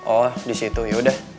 oh disitu yaudah